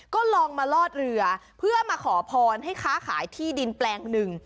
ก็ลองมาลอดเรือเพื่อมาขอพรให้ค้าขายที่ดินแปลงหนึ่ง